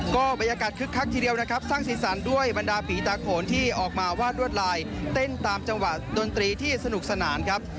ก็บรรยากาศคึกคักทีเดียวนะครับสร้างสีสันด้วยบรรดาผีตาโขนที่ออกมาวาดรวดลายเต้นตามจังหวะดนตรีที่สนุกสนานครับ